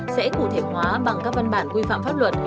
sẽ cụ thể hóa bằng các văn bản quy phạm pháp luật